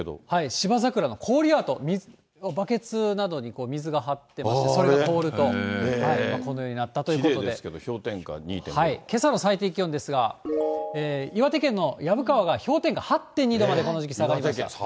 芝桜の氷アート、ばけつなどに水が張ってまして、それが凍るとこのようになったときれいですけど氷点下２．５けさの最低気温ですが、岩手県の薮川が氷点下８．２度まで、この時期、下がりました。